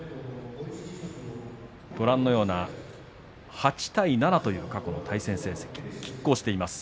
８対７という過去の対戦成績きっ抗しています。